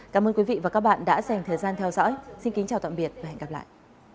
cảm ơn quý vị và các bạn đã dành thời gian theo dõi xin kính chào tạm biệt và hẹn gặp lại